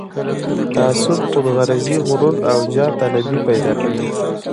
تعصب، خودغرضي، غرور او جاه طلبي پيدا کوي.